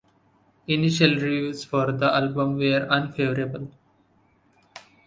Initial reviews for the album were unfavorable.